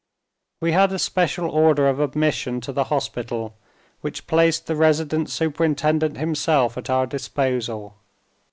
We had a special order of admission to the Hospital which placed the resident superintendent himself at our disposal.